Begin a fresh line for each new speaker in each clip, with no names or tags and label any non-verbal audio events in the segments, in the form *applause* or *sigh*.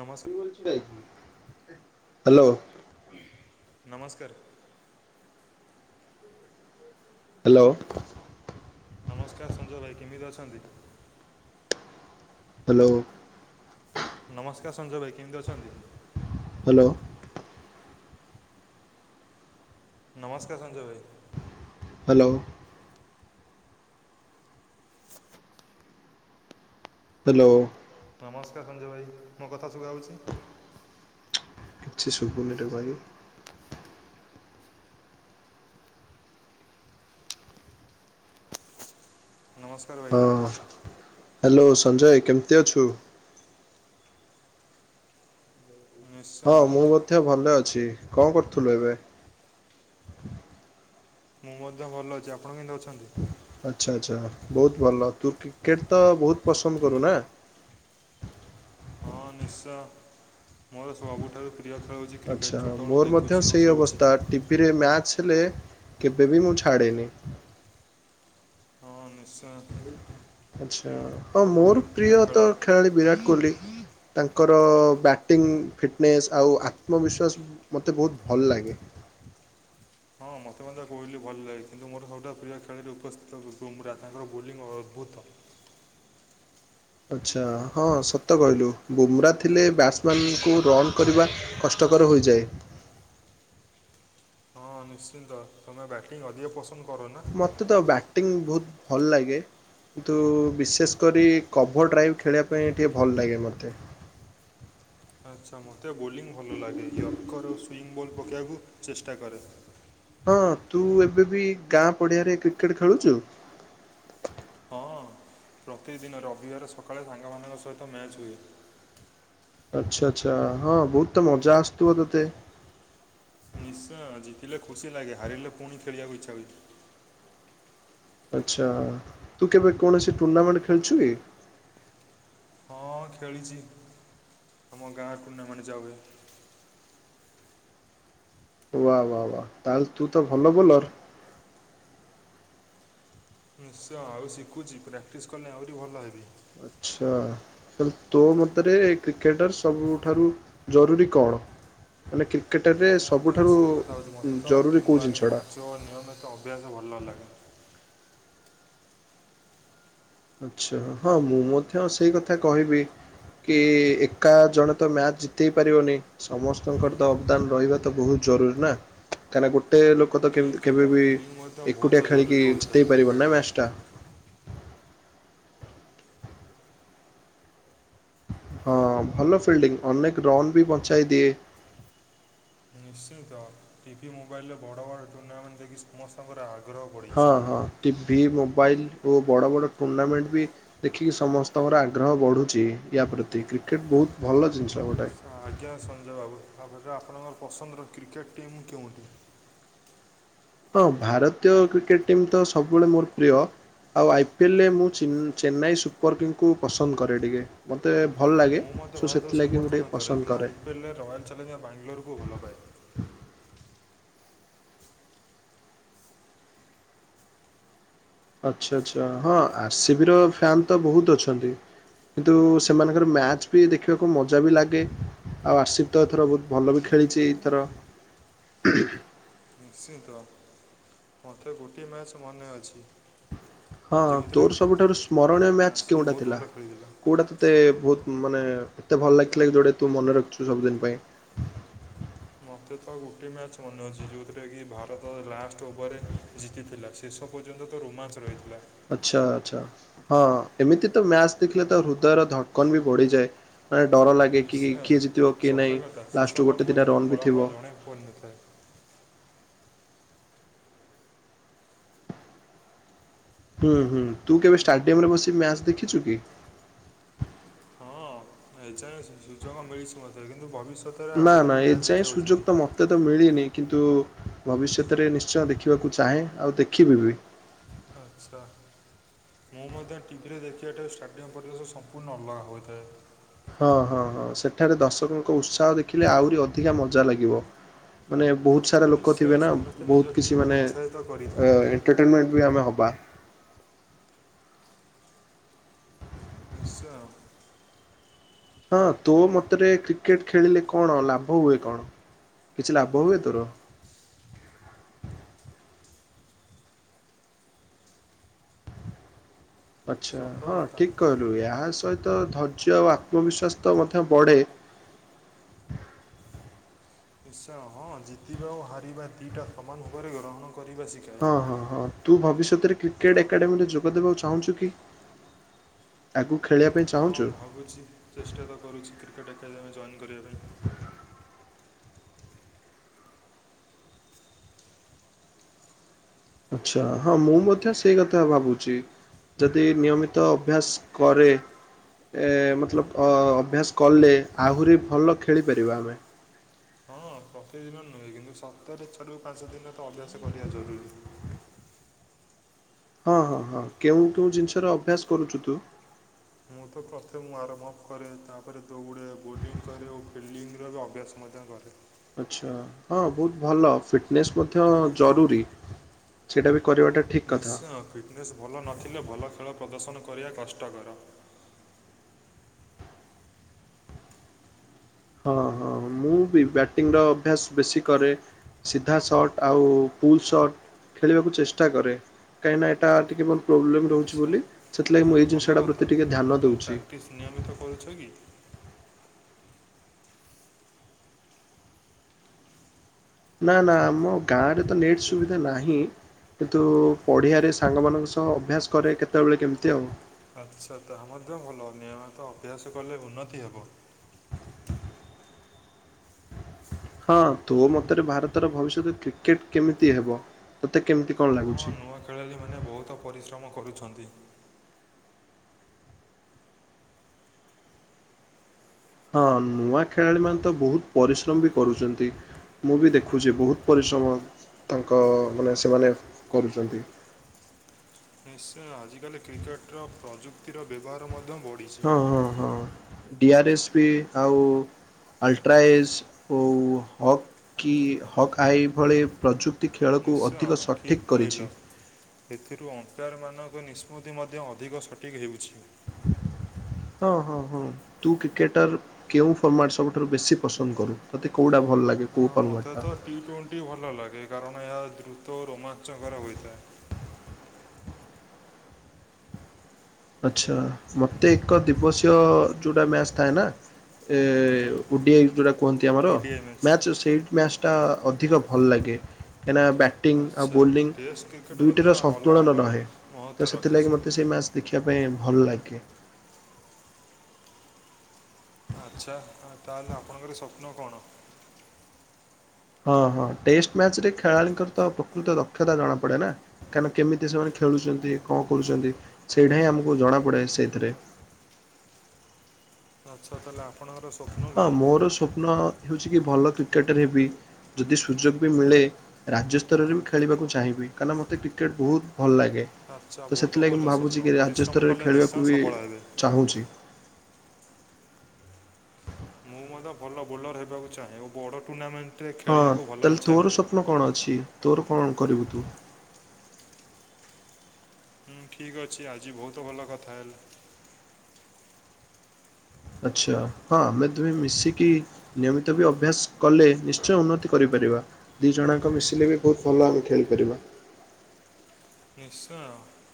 ନମସ୍କ
hello.
ନମସ୍କାର।
Hello.
ନମସ୍କାର ସଞ୍ଜୟ ଭାଇ କେମିତି ଅଛନ୍ତି?
ହାଲୋ।
ନମସ୍କାର ସଞ୍ଜୟ ଭାଇ କେମିତି ଅଛନ୍ତି?
ହାଲୋ।
ନମସ୍କାର ସଞ୍ଜୟ ଭାଇ।
ହାଲୋ। ହାଲୋ।
ନମସ୍କାର ସଞ୍ଜୟ ଭାଇ ମୋ କଥା ଶୁଭାଜାଉଛି?
କିଛି ସୁଭୁନି ଏଇଟାକୁ ଭାଇ।
ନମସ୍କା
ଅ ହାଲୋ ସଞ୍ଜୟ ଭାଇ କେମିତି ଅଛୁ?
ନିଶ୍ଚୟ
ହଁ ମୁଁ ମଧ୍ୟ ଭଲ ଅଛି କଁ କରୁଥିଲୁ ଏବେ?
ମୁଁ ମଧ୍ୟ ଭଲ ଅଛି ଆପଣ କେମିତି ଅଛନ୍ତି?
ଆଚ୍ଛା ଆଚ୍ଛା ବହୁତ ଭଲ ତୁ କ୍ରିକେଟ ତ ବହୁତ ପସନ୍ଦ କରୁନା?
ହଁ ନିଶ୍ଚୟ ମୋର ସବୁଠାରୁ ପ୍ରିୟ ଖେଳ ହଉଚି
ଆଚ୍ଛା
କ୍ରିକେଟ୍ ଛୋଟବେଳୁ ଦେଖୁଚି ଆଉ ଖେଳୁଛି।
ଫିରେ ମ୍ୟାଚ ହେଲେ କେବେ ବି ମୁଁ ଛାଡ଼େନି।
ହଁ ନିଶ୍ଚୟ।
ଆଛା ହଁ ମୋର ପ୍ରିୟ ତ ଖେଳାଳି ବିରାଟ କୋହଲି। ତାଙ୍କର ବ୍ୟାଟିଂ ଫିଟନେସ୍ ଆଉ ଆତ୍ମବିଶ୍ୱାସ ମତେ ବହୁତ ଭଲ ଲାଗେ।
ହଁ ମତେ ମଧ୍ୟ କୋହଲିି ଭଲ ଲାଗେ କିନ୍ତୁ ମୋର ସବୁଠାରୁ ପ୍ରିୟ ଖେଳାଳି ଉପସ୍ଥିତ ବୁମରା ତାଙ୍କର ବୋଲିଂ ଅଦ୍ଭୁତ
ଆଚ୍ଛା ହଁ ସତ କହିଲୁ ବୁମ୍ରା ଥିଲେ ବ୍ୟାଟ୍ସମ୍ୟାନକୁ ରନ୍ କରିବା କଷ୍ଟକର ହୋଇଯାଏ।
ହଁ ହଁ ନିଶ୍ଚିନ୍ତ ତମେ ବ୍ୟାଟିଂ ଅଧିକ ପସନ୍ଦ କର ନା?
ମତେ ତ ବ୍ୟା ଟିଙ୍ଗି ବହୁତ ଭଲ ଲାଗେ। କିନ୍ତୁ ବିଶେଷ କରି କଭର୍ ଡ୍ରାଇଭ୍ ଖେଳିବା ପାଇଁ ଟିକେ ଭଲ ଲାଗେ ମତେ।
ଆଚ୍ଛା ମତେ ବୋଲିଂ ଭଲ ଲାଗେ ୟର୍କର ସୁଇଙ୍ଗ ବୋଲ୍ ପକେଇବାକୁ ଚେଷ୍ଟା କରେ
ହଁ ତୁ ଏବେ ବି ଗାଁ ପଡିଆରେ କ୍ରିକେଟ ଖେଳୁଚୁ?
ହଁ ପ୍ରତିଦିନ ରବିବାର ସକାଳେ ସାଙ୍କମାନଙ୍କ ସହିତ ମ୍ୟାଚ୍ ହୁଏ।
ଆଚ୍ଛା ଆଚ୍ଛା ହଁ ବହୁତ ତ ମଜା ଆସୁ ଥିବ ତତେ।
ନିଶ୍ଚୟ ଜିତିିଲେ ଖୁସି ଲାଗେ ହାରିଲେ ପୁଣି ଖେଳିବାକୁ ଇଚ୍ଛା ହଉଚି।
ଆଚ୍ଛା ତୁ କେବେ କୌଣସି ଟୁର୍ଣ୍ଣାମେଣ୍ଟ ଖେଳିଚୁ କି?
ହଁ ଖେଳିଚି ଆମ ଗାଁ ଟୁର୍ଣ୍ଣାମେଣ୍ଟ ଯାହୁଏ।
ୱା ୱା ୱା ତାହେଲେ ତୁ ତ ଭଲ ବୋଲର!
ନିଶ୍ଚୟ ଆଉ ଶିଖୁଛି ପ୍ରାକ୍ଟିସ୍ କଲେ ଆହୁରି ଭଲ ହେବି।
ଆଛା। ତେଣୁ ତୋ ମତରେ କ୍ରିକେଟର ସବୁଠାରୁ ଜରୁରୀ କଣ ମାନେ କ୍ରି
ମୁଁ ମଧ୍ୟ ସେଇ କଥା ହେଉଚି ମତେ ତ
ଜରୁରୀ କୋଉ
ଟିମ୍ୱ ୱାର୍କ
ଜିନିଷଟା?
ଧୈର୍ଯ୍ୟ ନିୟମିତ ଅଭ୍ୟାସ ଭଲ ଲାଗେ।
ଆଚ୍ଛା ହଁ ମୁଁ ମଧ୍ୟ ସେଇ କଥା କହିବି। କି ଏକା ଜଣେ ତ ମ୍ୟାଚ ଜିତେଇ ପାରିବନି। ସମସ୍ତଙ୍କର ତ
ହୁଁ
ଅବଦାନ ରହିବା ତ ବହୁତ ଜରୁରୀ ନା କାହିଁକିନା ଗୋ ଗୋଟେ ଲୋକ ତ
ଠିକ୍
କେମତି
କଥା
କେବେ ବିି
ଫିଲ୍ଡିଂ ମଧ୍ୟ
ଏକୁଟିଆ
ବହୁତ ଜରୁରୀ
ଖେଳିକି
ହୋଇଥାଏ
ଜିତେଇ ପାରିବନି ନା
କ୍ରିକେଟରେ
ମ୍ୟାଚ ଟା ହଁ ଭଲ ଫିଲ୍ଡିଂ ଅନେକ ରନ୍ ବି ବଞ୍ଚାଇ ଦିଏ।
ନିଶ୍ଚିନ୍ତ ଟିଭି, ମୋବାଇଲରେ ବଡ଼ ବଡ଼ ଟୁର୍ଣ୍ଣାମେଣ୍ଟ ଯାଇ ସମସ୍ତଙ୍କର ଆଗ୍ରହ
ହଁ
ବଢ଼ିଛି।
ହଁ ଟିଭି, ମୋବାଇଲ୍ ଓ ବଡ଼ ବଡ଼ ଟୁର୍ଣ୍ଣାମେଣ୍ଟ ବି ଦେଖିକି ସମସ୍ତଙ୍କର ଆଗ୍ରହ ବଢୁଛି ୟା ପ୍ରତି କ୍ରିକେଟ ବହୁତ ଭଲ ଜିନିଷ ଗୋଟାଏ।
ହ ଆଜ୍ଞା ସଞ୍ଜୟ ବାବୁ ଆରେ ଆପଣଙ୍କର ପସନ୍ଦର କ୍ରିକେଟ୍ ଟିମ୍ କେଉଁଠି?
ହଁ ଭାରତୀୟ କ୍ରିକେଟ ଟିମ୍ ତ ସବୁବେଳେ ମୋର ପ୍ରିୟ ଆଉ ଆଇ ପିଏଲେ ମୁଁ ଚେନ୍ନାଇ ସୁପର କିଙ୍ଗକୁ ପସନ୍ଦ କରେ ଟିକେ। ମତେ ଭଲ ଲାଗେ
ମୁଁ
ସୋ ସେଥିଲାଗି ମୁଁ ଟିକେ ପସନ୍ଦ କରେ।
ପିଲା ରୟାଲ୍ ଚାଲେଞ୍ଜର ବାଙ୍ଗାଲୋରକୁ ଭଲ ପାଏ।
ଆଚ୍ଛା ଆଚ୍ଛା, ହଁ ଆର ସିବି ର ଫ୍ୟନ୍ ତ ବହୁତ ଅଛନ୍ତି। କିନ୍ତୁ ସେମାନଙ୍କର ମ୍ୟାଚ ବି ଦେଖିବାକୁ ମଜା ବି ଲାଗେ ଆଉ ଆସିଫ ତ ଏଥର ବହୁତ ଭଲ ବି ଖେଳିଛି ଏଥର
*inaudible* ନିଶ୍ଚିନ୍ତ, ମତେ ଗୋଟିଏ ମ୍ୟାଚ୍ ମନେ ଅଛି।
ହଁ
ଯେଉଁଥିରେ
ତୋର ସବୁଠାରୁ ସ୍ମରଣୀୟ ମ୍ୟାଚ୍
ଆସି
କେଉଁଟା
ବହୁତ
ଥିଲା
ଭଲ ଖେଳିଥିଲା
କୋଉଟା ଏତେ ବହୁତ ମାନେ ଏତେ ଭଲ ଲାଗିଥିଲା କି ଯୋଉଟା ତୁ ମନେ ରଖିଛୁ ସବୁଦିନ ପାଇଁ।
ମତେ ତ ଗୋଟିଏ ମ୍ୟାଚ୍ ମନେଅଛି ଯୋଉଥିରେ କି ଭାରତ ଲାଷ୍ଟ ଓଭର ରେ ଜିତିଥିଲା, ଶେଷ ପର୍ଯ୍ୟନ୍ତ ତ ରୋମାଞ୍ଚ ରହିଥିଲା।
ଆଚ୍ଛା ଆଛା, ହଁ ଏମିତି ତ ମ୍ୟାଚ ଦେଖିଲେ ତ ହୃଦୟର ଧକ୍କନ ବି ବଢିଯାଏ। ମାନେ ଡର ଲାଗେ କି
ନିଶ୍ଚୟ
କିଏ ଜିତିବ କିଏ
ସତ
ନାହିଁ ଲାଷ୍ଟୁ ଗୋଟେ ଦିନ ରନ୍ ବି ଥିବ।
ପଡନଥାଏ।
ହୁଁ ହୁଁ ତୁ କେବେ ଷ୍ଟାଡିୟମ ରେ ବସି ମ୍ୟାଚ ଦେଖିଛୁ କି?
ହଁ ଏଯାଏ ସୁଯୋଗ ମିଳିଛି ମୋତେ କିନ୍ତୁ ଭବିଷ୍ୟତରେ ଆହୁରି ବି ମ୍ୟାଚ୍ ଦେଖିବାକୁ ଯିବି।
ଏତେ ତ ମିଳିନି କିନ୍ତୁ ଭବିଷ୍ୟତରେ ନିଶ୍ଚୟ ଦେଖିବାକୁ ଚାହେଁ, ଆଉ ଦେଖିବି ବି।
ଆଚ୍ଛା। ମୁଁ ମଧ୍ୟ ଟିଭିରେ ଦେଖିବାଠାରୁ ଷ୍ଟାଡ଼ିୟମ୍ ପରିବେଶ ସମ୍ପୂର୍ଣ୍ଣ ଅଲଗା ହୋଇଥାଏ।
ହଁ ହଁ ହଁ ସେଠାରେ ଦର୍ଶକଙ୍କ ଉତ୍ସାହ ଦେଖିଲେ ଆହୁରି ଅଧିକା ମଜା ଲାଗିବ। ମାନେ ବହୁତ ସାରା ଲୋକ
ନିଶ୍ଚୟ
ଥିବେ ନା
ସମସ୍ତେ ନିଜ
ବହୁତ କିଛି
ଟିମ୍କୁ
ମାନେ
ଉତ୍ସାହିତ
ଏ
କରିଥାନ୍ତି।
ଏଣ୍ଟମେଣ୍ଟ ବି ଆମେ ହବା।
ନିଶ୍ଚୟ।
ହଁ ତୋ ମତରେ କ୍ରିକେଟ ଖେଳିଲେ କଣ ଲାଭ ହୁଏ କଣ, କିଛି ଲାଭ ହୁଏ ତୋର? ଆଚ୍ଛା
ସତ
ହଁ
କଥା।
ଠିକ୍ କହିଲୁ, ଏହା ସହିତ ଧୈର୍ଯ୍ୟ ଆଉ ଆତ୍ମବିଶ୍ୱାସ ତ ମଧ୍ୟ ବଢ଼େ।
ନିଶ୍ଚୟ, ହଁ ଜିତିବା ଓ ହାରିବା ଦୁଇଟା ସମାନ ଭାବରେ ଗ୍ରହଣ କରିବା ଶି
ହଁ ହଁ ହଁ ତୁ ଭବିଷ୍ୟତରେ କ୍ରିକେଟ ଏକାଡେମୀରେ ଯୋଗ ଦେବାକୁ ଚାହୁଁଛୁ କି? ଆଗୁକୁ ଖେଳିବା ପାଇଁ ଚାହୁଁଛୁ?
ବୁଝିଲି। ଚେଷ୍ଟା ତ କରୁଛି୍ କ୍ରିକେଟ୍ ଏକାଡେମୀ ଜଏନ୍ କରିବା ପାଇଁ।
ଆଛା, ହଁ ମୁଁ ମଧ୍ୟ ସେଇ କଥା ଭାବୁଛି ଯଦି ନିୟମିତ ଅଭ୍ୟାସ କରେ ଏ ମତଲବ ଅଭ୍ୟାସ କଲେ, ଆହୁରି ଭଲ ଖେଳିପାରିବା ଆମେ।
ହଁ ପ୍ରତିଦିନ ନୁହେଁ କିନ୍ତୁ ସପ୍ତାହରେ ଚାରିରୁ ପାଞ୍ଚ ଦିନରେ ତ ଅଭ୍ୟାସ କରିବା ଜରୁରୀ।
ହଁ ହଁ ହଁ କେଉଁ କେଉଁ ଜିନିଷର ଅଭ୍ୟାସ କରୁଛୁ ତୁ?
ମୁଁ ତ ପ୍ରଥମେ ମୁଁ ଆରମ୍ଭ ଅଫ୍ କରେ ତାପରେ ଦୋଉଡେ, ବୋଲିଂ କରେ ଓ ଫିଲ୍ଡିଙ୍ଗର ବି ଅଭ୍ୟାସ ମଧ୍ୟ କରେ।
ଆଚ୍ଛା, ହଁ ବହୁତ ଭଲ ଫିଟନେସ୍ ମଧ୍ୟ ଜରୁରୀ ସେଇଟା ବି କରିବାଟା ଠିକ୍ କଥା।
ନିଶ୍ଚୟ, ଫିଟନେସ୍ ଭଲ ନଥିଲେ ଭଲ ଖେଳ ପ୍ରଦର୍ଶନ କରିବା କଷ୍ଟକର।
ହଁ ହଁ ମୁଁ ବି ବ୍ୟାଟିଂ ର ଅଭ୍ୟାସ ବେଶୀ କରେ। ସିଧା ସର୍ଟ ଆଉ ପୁଲ୍ ସର୍ଟ ଖେଳିବାକୁ ଚେଷ୍ଟା କରେ, କାହିକିନା ଏଇଟା ଟିକେ ପ୍ରୋବ୍ଲେମ୍ ରହୁଛି
ଆଚ୍ଛା
ବୋଲି ସେଥିଲାଗି ମୁଁ
ତାହେଲେ
ଏଇ
ଭଲ
ଜିନିଷଟା
କଥା
ପ୍ରତି ଟିକେ
ମୁଁ
ଧ୍ୟାନ
ତ
ଦଉଛି।
ପ୍ରାକ୍ଟିସ୍ ନିୟମିତ କରୁଛ କି?
ନା ନା, ଆମ ଗାଁରେ ତ ନେଟ୍ ସୁବିଧା ନାହିଁ। କିନ୍ତୁ ପଢ଼ିଆରେ ସାଙ୍ଗ ମାନଙ୍କ ସହ ଅଭ୍ୟାସ୍‌ କରେ, କେତବେଳେ କେମ୍ତି ଆଉ।
ଆଚ୍ଛା ତାହା ମଧ୍ୟ ଭଲ, ନିୟ--ତ ଅଭ୍ୟାସ କଲେ ଉନ୍ନତି ହେବ।
ହଁ, ତୋ ମତରେ ଭାରତର ଭବିଷ୍ୟତ କ୍ରିକେଟ୍ କେମିତି ହେବ? *inaudible*
ହଁ, ନୂଆ ଖେଳାଳି ମାନେ ବହୁତ ପରିଶ୍ରମ କରୁଛନ୍ତି।
ହଁ, ନୂଆ ଖେଳାଳି ମାନେ ତ ବହୁତ୍ ପରିଶ୍ରମ୍ ବି କରୁଚନ୍ତି। ମୁଁ ବି ଦେଖୁଚି ବହୁତ୍ ପରିଶ୍ରମ, ତାଙ୍କ ମାନେ ସେମାନେ କରୁଚନ୍ତି।
ନିଶ୍ଚୟ, ଆଜିକାଲି କ୍ରିକେଟ୍ ର ପ୍ରଯୁକ୍ତିର ବ୍ୟବହାର ମଧ୍ୟ ବ
ହଁ ହଁ ହଁ, ଡ଼ିଆର୍----ଆଉ *inaudible* ଖେଳକୁ
ନିଶ୍ଚୟ
ଅଧିକ
ଠିକ୍
ସଠିକ୍ କରିଛି।
କହିଲ ଏଥିରୁ ଅମ୍ପା----ର୍ ମାନଙ୍କ ନିଷ୍ପତ୍ତି ମଧ୍ୟ ଅଧିକ ସଠିକ୍ ହେଉଛି।
*inaudible* ତୁ କ୍ରିକେଟ ର୍ କେଉଁ ଫର୍ମାଟ୍ ସବୁଠାରୁ ବେଶୀ ପସନ୍ଦ୍ କରୁ? ତତେ କଉଟା ଭଲ୍ ଲା
ହଁ ମତେ ତ ଟିଟ୍ୱେଣ୍ଟି ଭଲ ଲାଗେ, କାରଣ ଏହା ଦ୍ରୁତ ରୋମା---କର ହୋଇଥାଏ।
ଆଚ୍ଛା, ମୋତେ ଏକ ଦିବସୀୟ ଯଉଟା ମ୍ୟାଚ୍ ଥାଏ ନା। *inaudible*
ହୁଁ ଓଡ଼ିଆଇ ମ୍ୟାଚ୍
ମ୍ୟାଚ୍ ଟା ଅଧିକ ଭଲ୍‌ ଲାଗେ। କାହିଁ--ନା ଟିଙ୍ଗ୍ ଆଉ
ଆଚ୍ଛା
ବୋଲିଙ୍ଗ୍
ଟେଷ୍ଟ କ୍ରିକେଟ୍ ମଧ୍ୟ
ଦୁଇଟିର
ଅଲଗା
ସନ୍ତୁଳନ
ଅଲଗା
ରହେ। ତ
ମହତ୍ତ୍ୱ
ସେଥି ଲାଗି
ରଖିଛି
ମୋତେ ସେ ମ୍ୟା ଦେଖିବା ପାଇଁ, ଭଲ୍ ଲାଗେ।
ଆଚ୍ଛା, ତା'ହେଲେ ଆପଣଙ୍କର ସ୍ୱପ୍ନ କ'ଣ?
ହଁ ହଁ, ଟେଷ୍ଟ୍ ମ୍ୟାଚ୍ ରେ ଖେଳାଳିଙ୍କ ର ତ ପ୍ରକୃତ ଦକ୍ଷତା ଜଣା ପଡ଼େନା। ହିଁନା କେମତି ସେମାନେ ଖେଳୁଚନ୍ତି, ଙ୍କ କରୁଚନ୍ତି? ସେଇଟା ହିଁ ଆମକୁ ଜଣାପଡ଼େ ସେଇ ଥିରେ।
*unintelligible* ସ୍ୱପ୍ନ
ହଁ
କ'ଣ
ମୋର ସ୍ୱପ୍ନ ହେଉଚି କି ଭଲ କ୍ରିକେଟର୍ ହେବି, ଯଦି ସୁଯୋଗ୍ ବି ମିଳେ। ରାଜ୍ୟ ସ୍ତରରେ ବି ଖେଳିବାକୁ ଚାହିଁବି, ହିଁକିନା ମତେ କ୍ରିକେଟ୍ ବହୁତ୍ ଭଲ୍ ଲାଗେ।
ଆଚ୍ଛା
ତ
ବହୁତ
ସେଥି ଲାଗି
ଭଲ
ମୁଁ
ସ୍ୱପ୍ନ
ଭାବୁଚି କି, ରାଜ୍ୟ
ପରିଶ୍ରମ
ସ୍ତରରେ
କଲେ ନିଶ୍ଚୟ
ଖେଳିବାକୁ ବି
ସଫଳ ହେବେ
ଚାହୁଁଚି।
ମୁଁ ମ ଭଲ ବୋଲର୍ ହେବାକୁ ଚାହେଁ। ବଡ଼ ଟୁର୍ଣ୍ଣାମେ
ହଁ ତା'--ଲେ ତୋର ସ୍ୱପ୍ନ କଣ ଅଛି, ତୋର କ'ଣ କରିବୁ ତୁ?
*unintelligible*
ଆଚ୍ଛା, ହଁ ଆମେ ଦୁହେଁ ମିଶିକି। ନିୟମିତ ବି ଅଭ୍ୟାସ୍‌ କଲେ, ନିଶ୍ଚୟ ଉନ୍ନତି କରି ପାରିବା। ଦି ଜଣ--ଙ୍କ ମିଶିଲେ ବି, ବହୁତ୍ ଭଲ ଆମେ ଖେଳି ପାରିବା।
*unintelligible*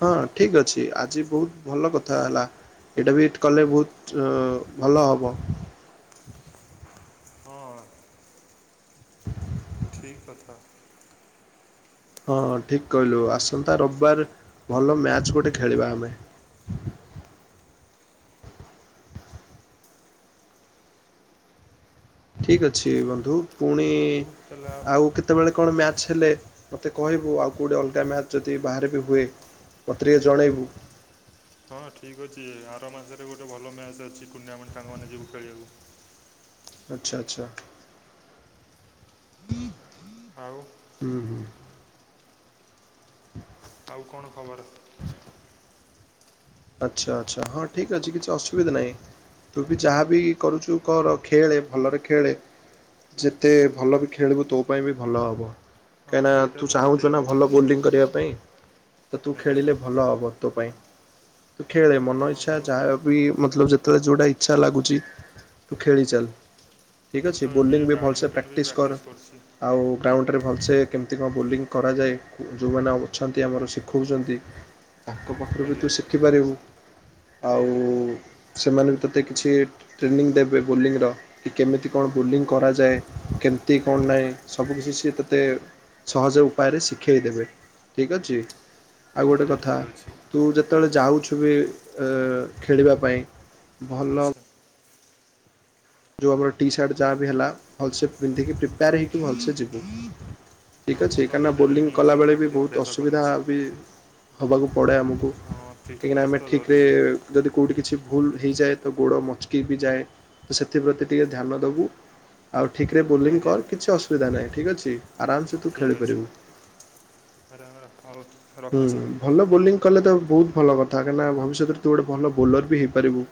ହଁ ଠିକ୍ ଅଛି, ଆଜି ବହୁତ୍ ଭଲ କଥା ହେଲା। ଏଇଟା ବିଟ୍ କଲେ ବହୁତ୍ ଭଲ ହବ।
*unintelligible* *unintelligible*
ହଁ ଠିକ୍ କହିଲୁ, ଆସନ୍ତା ରବ୍ ବାରେ ଭଲ ମ୍ୟାଚ୍ ଗୋଟେ ଖେଳିବା ଆମେ। ଠିକ୍ ଅଛି ବନ୍ଧୁ। ପୁଣି
ହଉ ତାହେଲେ
ଆଉ କେ କେ---ବେଳେ କ'ଣ ମ୍ୟାଚ୍ ହେଲେ, ମତେ କହିବୁ, ଆଉ କଉଠି ଅଲ୍ଗା ମ୍ୟାଚ୍ ଯଦି ବାହାରେ ବି ହୁଏ। ମତେ ଟିକେ ଜଣେଇବୁ।
ହଁ ଠିକ୍ ଅଛି, ଆର ମାସରେ ଗୋଟେ ଭଲ ମ୍ୟାଚ୍ ଅଛି, ଟୁ--------ସାଙ୍ଗ ମାନେ ଯିବୁ ଖେଳିବାକୁ।
ଆଚ୍ଛା ଆଚ୍ଛା। ହୁଁ ହ *inaudible*
ଆଉ।
*inaudible*
ଆଉ କ'ଣ ଖବର?
ଆଚ୍ଛା ଆଚ୍ଛା ହଁ ଠିକ୍ ଅଛି କିଛି ଅସୁବିଧା ନାହିଁ। ତୁବି ଯାହାବି କରୁଛୁ କର ଖେଳେ ଭଲରେ ଖେଳେ। ଯେତେ ଭଲବି ଖେଳିବୁ ତୋ ପାଇଁବି ଭଲ ହବ।
ହଁ ସେଇଟା
କାହିଁକିନାତୁ
ତ ସଠିକ୍
ଚାହୁଁଚୁନା ଭଲ ବୋଲିଂ କରିବା ପାଇଁ ତ ତୁ
ଆଜ୍ଞା
ଖେଳିଲେ ଭଲ ହବ ତୋପାଇଁ। ତୁ ଖେଳେ ମନ
ହଁ
ଇଚ୍ଛା
ମୁଁ ତ
ଯାହାବି ମତଲବ୍ ଯେତେବେଳେ ଯୋଉଟା ଇଚ୍ଛା ଲାଗୁଚିତୁ ଖେଳି ଚାଲ୍। ଠିକ୍
ମୁଁ ତ
ଅଛି
ଏବେ
ବୋଲିଂବି ଭଲସେ
ବ୍ୟାଡ଼ମିଣ୍ଟନ୍ ବି
ପ୍ରାକ୍ଟିସ୍ କର।
କରୁଛି
ଆଉ ଗ୍ରାଉଣ୍ଡରେ ଭଲସେ କେମିତି କଣ ବୋଲିଂ କରାଯାଏ ଯୋଉମାନେ ଅଛନ୍ତି ଆମର ଶିଖଉଛନ୍ତି
*inaudible*
ତାଙ୍କ
ଆଜ୍ଞା
ପାଖରୁବିତୁ ଶିଖିପାରିବୁ ଆଉ ସେମାନେବି ତତେ କିଛି ଟ୍ରେନିଂ ଦେବେ ବୋଲିଂର କି କେମିତି କଣ ବୋଲିଂ କରାଯାଏ କେମିତି କଣ ନାହିଁ ସବୁ କିଛି ସିଏ ତତେ ସହଜ ଉପାୟରେ ଶିଖେଇ ଦେବେ ଠିକ୍ ଅଛି ଆଉ ଗୋଟେ
ହଁ
କଥା
ଠିକ୍ ଅଛି
ତୁ ଯେ ତେବେଳେ ଯାଉଛୁବି ଅଁ ଖେଳିବା ପାଇଁ ଭଲ
ଆଚ୍ଛା।
ଯୋଉ ଆମର ଟିସାର୍ଟ ଯାହାବି ହେଲା ଭଲସେ ପିନ୍ଧିକି
ହଁ
ପ୍ରିପେୟାର ହେଇକି ଭଲସେ ଯିବୁ। ଠିକ୍
ହଁ ମୁଁ
ଅଛି
ତ ଏବେ
କାଇଁନା
ଡେଲି
ବୋଲିଂ କଲା
ନିୟମିତ
ବେଳେବି
ପ୍ରାକ୍ଟି
ବହୁତ୍
ଅଭ୍ୟାସ କରୁଛି
ଅସୁବିଧାବି ହବାକୁ ପଡ଼େ ଆମକୁ।
ହଁ
‌ କାହିଁକିନା
ଫିଟନେସ୍
ଆମେ
ତ
ଠିକ୍ ରେ
ଜରୁରୀ
ଯଦି କୋଉଠି କିଛି ଭୁଲ୍ ହେଇଯାଏତ ଗୋଡ଼ ମଚକିବି ଯାଏ। ତ ସେଥିପ୍ରତି ଟିକି ଧ୍ୟାନ ଦବୁ ଆଉ ଠିକିରେ ବୋଲିଂ
ଆଜ୍ଞା
କର କିଛି ଅସୁବିଧା ନାହିଁ ଠିକ୍ ଅଛି। ଆରାମସେ ତୁ
ଠିକ୍ ଅଛି
ଖେଳିପାରିବୁ।
ସାର ଆମର ରଖ
ହୁଁ ଭଲ ବୋଲିଂ କଲେତ ବହୁତ୍ ଭଲ କଥା କାହିଁକିନା ଭବିଷ୍ୟତରେ ତୁଗୋଟେ ଭଲ ବୋଲରବି ହେଇପାରିବୁ।